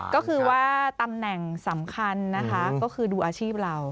ก็คือว่าตำแหน่งสำคัญนะคะก็คือดูอาชีพเรา